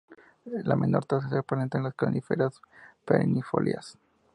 La menor tasa se presenta en las coníferas perennifolias.